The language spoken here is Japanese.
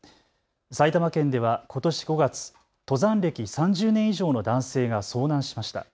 埼玉県ではことし５月、登山歴３０年以上の男性が遭難しました。